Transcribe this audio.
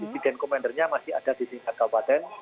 disiden komendernya masih ada di singkat kabupaten